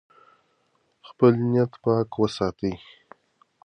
خپل نیت پاک وساتئ.